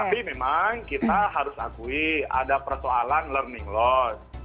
tapi memang kita harus akui ada persoalan learning loss